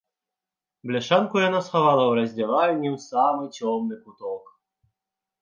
Бляшанку яна схавала ў раздзявальні ў самы цёмны куток.